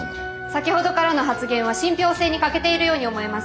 先ほどからの発言は信ぴょう性に欠けているように思えます。